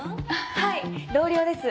はい同僚です。